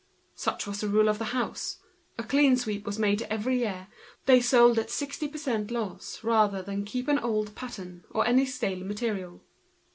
Such was the rule of the house—a clean sweep was made every year, they sold at sixty per cent, loss rather than keep an old model or any stale material.